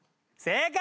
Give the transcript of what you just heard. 正解！